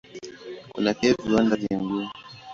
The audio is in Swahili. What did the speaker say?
Kuna pia viwanda vya nguo.